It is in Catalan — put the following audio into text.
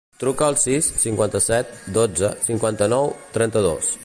Truca al sis, cinquanta-set, dotze, cinquanta-nou, trenta-dos.